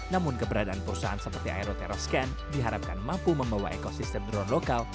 namun keberadaan perusahaan seperti aeroteroscan diharapkan mampu membawa ekosistem drone lokal